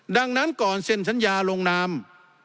ดังนั้นก่อนเซ็นสัญญาลงนาม